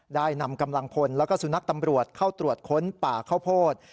ได้นำกำลังพลแล้วก็สุนัขตำรวจเข้าตรวจค้นป่าข้าวโพด